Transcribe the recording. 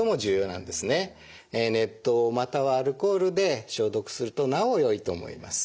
熱湯またはアルコールで消毒するとなおよいと思います。